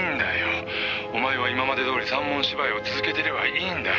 「お前は今まで通り三文芝居を続けてればいいんだ」